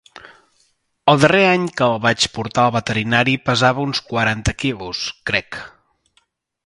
El darrer any que el vaig portar al veterinari pesava uns quaranta quilos, crec.